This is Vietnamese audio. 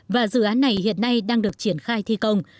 và dự án này hiện nay đã được thực hiện